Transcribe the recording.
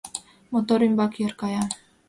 Мотор ӱмбак йыр кая!